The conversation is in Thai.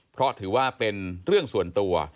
เพราะถือว่าเป็นเรื่องส่วนตัว